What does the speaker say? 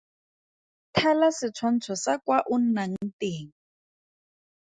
Thala setshwantsho sa kwa o nnang teng.